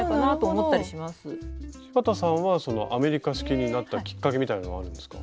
柴田さんはそのアメリカ式になったきっかけみたいなのはあるんですか？